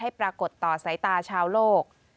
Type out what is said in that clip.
ปรากฏต่อสายตาชาวโลก